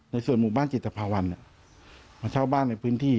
หมู่บ้านจิตภาวันมาเช่าบ้านในพื้นที่